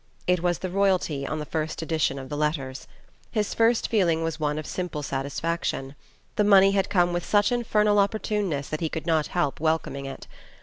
It was the royalty on the first edition of the letters. His first feeling was one of simple satisfaction. The money had come with such infernal opportuneness that he could not help welcoming it.